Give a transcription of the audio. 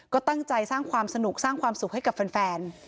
ก็ตั้งใจสร้างความสนุกสร้างความสุขให้กับแฟน